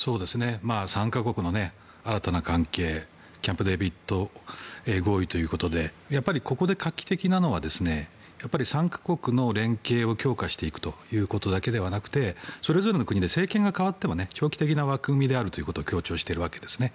３か国の新たな関係キャンプデービッド合意ということでここで画期的なのは３か国の連携を強化していくということだけではなくてそれぞれの国で政権が代わっても長期的な枠組みであることを強調しているわけですね。